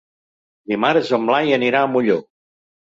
Dimarts en Blai anirà a Molló.